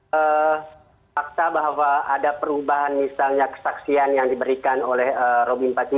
saya paksa bahwa ada perubahan misalnya kesaksian yang diberikan oleh robin empat puluh tujuh